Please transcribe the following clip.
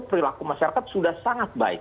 perilaku masyarakat sudah sangat baik